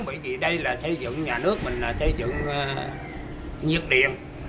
bởi vì đây là xây dựng nhà nước mình là xây dựng nhiệt điện